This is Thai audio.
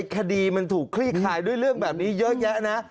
คดีมันถูกคลี่คลายด้วยเรื่องแบบนี้เยอะแยะนะ